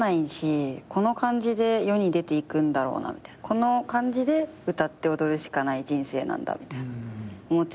この感じで歌って踊るしかない人生なんだみたいな思ってて。